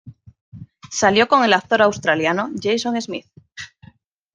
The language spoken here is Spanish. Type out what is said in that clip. Salió con el actor australiano Jason Smith.